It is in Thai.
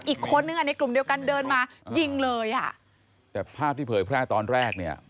อีกคนนึงอ่ะในกลุ่มเดียวกันเดินมายิงเลยอ่ะแต่ภาพที่เผยแพร่ตอนแรกเนี่ย